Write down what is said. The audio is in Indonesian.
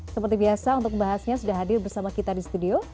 seperti biasa untuk membahasnya sudah hadir bersama kita di studio